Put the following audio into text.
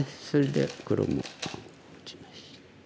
それで黒も。